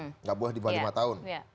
tidak boleh lebih dari lima tahun